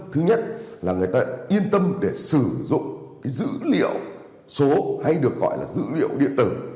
thứ nhất là người ta yên tâm để sử dụng dữ liệu số hay được gọi là dữ liệu điện tử